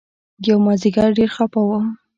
يومازديگر ډېر خپه وم.